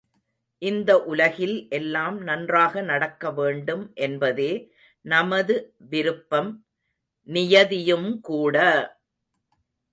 இந்த உலகில் எல்லாம் நன்றாக நடக்க வேண்டும் என்பதே நமது விருப்பம் நியதியும்கூட!